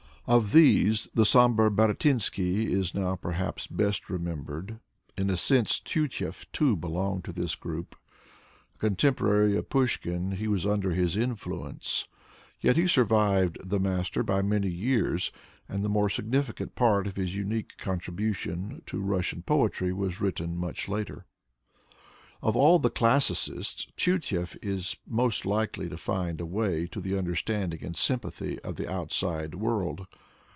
Of these the sombre Baratynsky is now perhaps best remembered. In a sense Tyutchev too belonged to this group. A contemporary of Pushkin, he was under his influence. Yet he survived the master by many years, and the more significant part of his unique contribution to Russian poetry was written much later. Of all the classicists, Tyutchev is most likely to find a way to the understanding and sympathy of the outside world.